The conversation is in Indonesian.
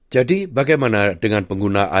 jadi bagaimana dengan penggunaan